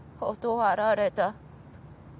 断られた。